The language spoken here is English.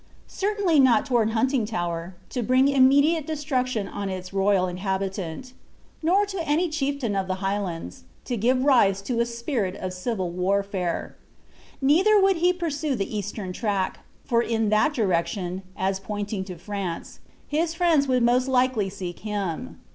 Certainly not toward Huntingtower, to bring immediate destruction on its royal inhabitant. Nor to any chieftain of the Highlands, to give rise to a spirit of civil warfare. Neither would he pursue the eastern track; for in that direction, as pointing to France, his friends would most likely seek him.